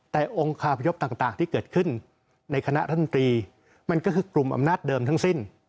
แต่องค์คาพยพต่างที่เกิดขึ้นในคณะรัฐมนตรีมันก็คือกลุ่มอำนาจเดิมทั้งสิ้น